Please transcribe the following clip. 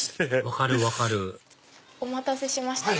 分かる分かるお待たせしました。